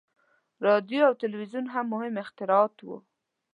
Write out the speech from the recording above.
• راډیو او تلویزیون هم مهم اختراعات وو.